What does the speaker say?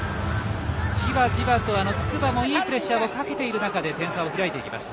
じわじわと筑波もいいプレッシャーをかけている中点差を開いていきます。